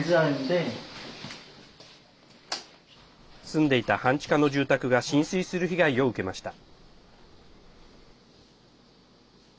住んでいた半地下の住宅が浸水する被害を受けました。